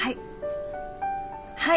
はい。